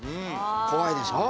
怖いでしょう。